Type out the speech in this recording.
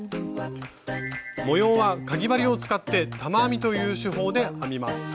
模様はかぎ針を使って玉編みという手法で編みます。